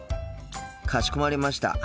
かしこまりました。